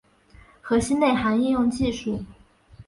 核心内涵应用技术